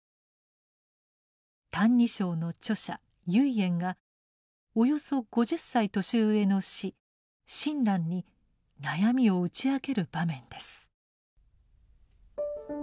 「歎異抄」の著者唯円がおよそ５０歳年上の師・親鸞に悩みを打ち明ける場面です。